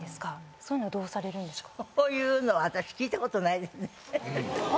そういうのはどうされるんですか？